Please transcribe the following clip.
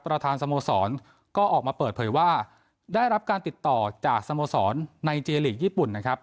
สโมสรก็ออกมาเปิดเผยว่าได้รับการติดต่อจากสโมสรในเจลีกญี่ปุ่นนะครับ